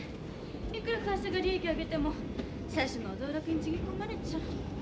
いくら会社が利益上げても社主の道楽につぎ込まれちゃ。